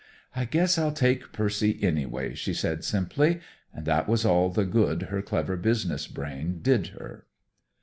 "I guess I'll take Percy, anyway," she said simply, and that was all the good her clever business brain did her.